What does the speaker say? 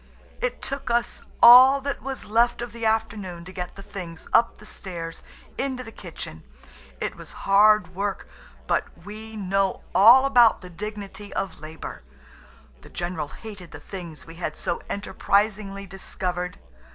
It took us all that was left of the afternoon to get the things up the stairs into the kitchen. It was hard work, but we know all about the dignity of labour. The general hated the things we had so enterprisingly discovered.